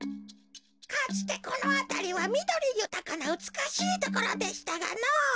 かつてこのあたりはみどりゆたかなうつくしいところでしたがのぉ。